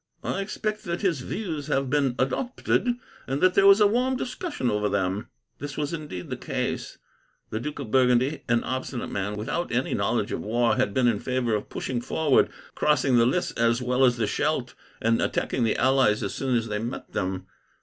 "I expect that his views have been adopted, and that there was a warm discussion over them." This was indeed the case. The Duke of Burgundy, an obstinate man without any knowledge of war, had been in favour of pushing forward, crossing the Lys as well as the Scheldt, and attacking the allies as soon as they met them.